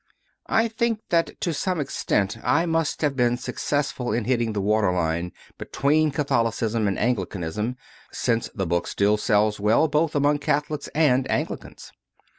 I think that to some extent I must have been success ful in hitting the water line between Catholicism and Anglicanism, since the book still sells well both among Catholics and Anglicans.